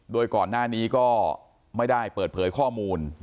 โดยก่อนหน้านี้ก็ไม่ได้เปิดเผยข้อมูล